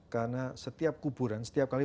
karena setiap kuburan setiap kali